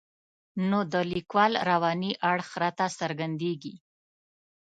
نو د لیکوال رواني اړخ راته څرګندېږي.